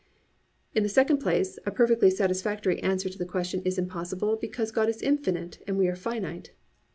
In the second place, a perfectly satisfactory answer to the question is impossible because God is infinite and we are finite.